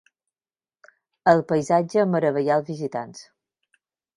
El paisatge meravellà els visitants.